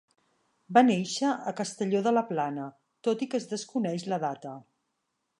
Va nàixer a Castelló de la Plana, tot i que es desconeix la data.